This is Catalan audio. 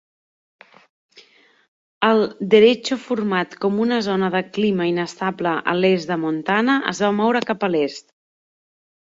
El "derecho" format com una zona de clima inestable a l'est de Montana es va moure cap a l'est.